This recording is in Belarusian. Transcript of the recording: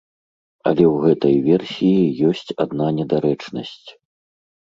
Але ў гэтай версіі ёсць адна недарэчнасць.